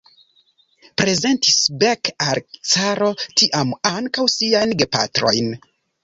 Prezentis Beck al la caro tiam ankaŭ siajn gepatrojn.